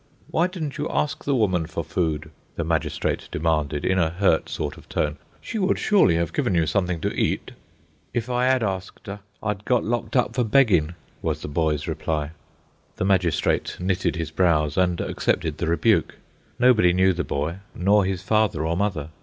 "Why didn't you ask the woman for food?" the magistrate demanded, in a hurt sort of tone. "She would surely have given you something to eat." "If I 'ad arsked 'er, I'd got locked up for beggin'," was the boy's reply. The magistrate knitted his brows and accepted the rebuke. Nobody knew the boy, nor his father or mother.